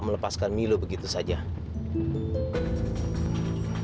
pergi dari sini sebelum pikiran saya berubah